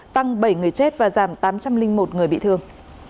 tăng bảy người chết và giảm tám trăm linh một người bị thương